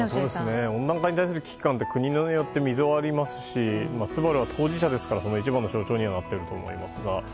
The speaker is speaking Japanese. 温暖化に対する危機感には国によって溝がありますしツバルは当事者ですからその一番の象徴になっていると思いますが。